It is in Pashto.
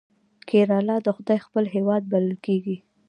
کیرالا د خدای خپل هیواد بلل کیږي.